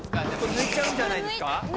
抜いちゃうんじゃないですか？